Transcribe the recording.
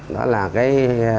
đó là cái